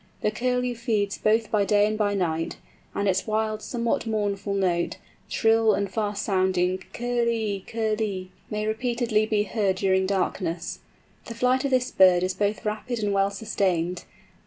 The Curlew feeds both by day and by night; and its wild somewhat mournful note, shrill and far sounding, curlee, cur lee, may repeatedly be heard during darkness. The flight of this bird is both rapid and well sustained.